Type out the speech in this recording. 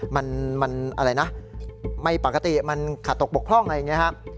มันไม่ปกติมันขาดตกบกพร่องอะไรอย่างนี้